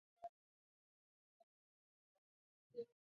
په افغانستان کې د ژورې سرچینې لپاره طبیعي شرایط مناسب دي.